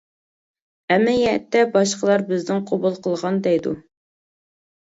ئەمەلىيەتتە باشقىلار بىزدىن قوبۇل قىلغان دەيدۇ.